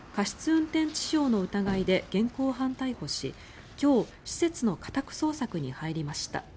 運転致傷の疑いで現行犯逮捕し今日、施設の家宅捜索に入りました。